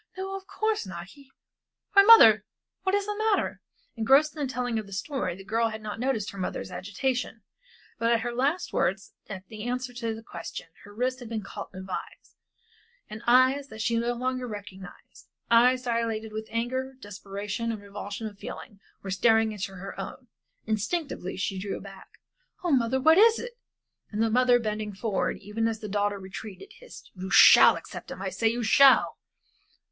No, of course not he why, mother, what is the matter?" Engrossed in the telling of her story, the girl had not noticed her mother's agitation, but at her last words, at the answer to the question, her wrist had been caught as in a vise, and eyes that she no longer recognized eyes dilated with anger, desperation and revulsion of feeling were staring into her own. Instinctively she drew back "Oh, mother, what is it?" And the mother bending forward, even as the daughter retreated, hissed, "You shall accept him I say you shall!"